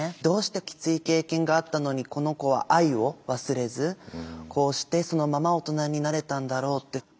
どうしてきつい経験があったのにこの子は愛を忘れずこうしてそのまま大人になれたんだろうって。